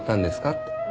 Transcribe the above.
って。